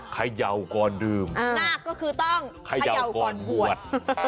เขย่าก่อนดื่มนาคก็คือต้องเขย่าก่อนบวช